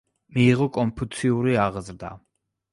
მიიღო კონფუციური აღზრდა.